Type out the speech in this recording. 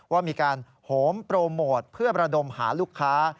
ว่ามีการโหมโปรโมทเพื่อประดมหาลูกค้า